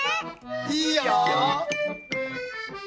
いいよ。